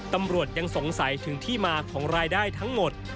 ตำรวจยังสงสัยถึงที่มาของรายได้ทั้งหมด